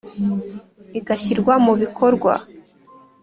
igashyirwa mu bikorwa